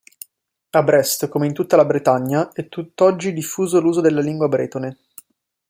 A Brest come in tutta la Bretagna, è tutt'oggi diffuso l'uso della lingua bretone.